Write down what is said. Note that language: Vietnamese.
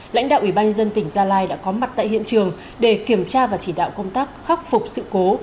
lãnh đạo ủy ban dân tỉnh gia lai đã có mặt tại hiện trường để kiểm tra và chỉ đạo công tác khắc phục sự cố